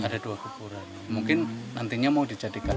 ada dua kuburan mungkin nantinya mau dijadikan